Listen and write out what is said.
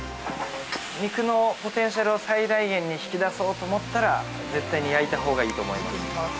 ◆肉のポテンシャルを最大限に引き出そうと思ったら絶対に焼いたほうがいいと思います。